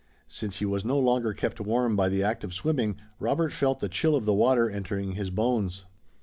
Since he was no longer kept warm by the act of swimming Robert felt the chill of the water entering his bones.